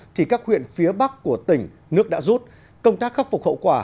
thì các huyện phía bắc của tỉnh nước đã rút công tác khắc phục hậu quả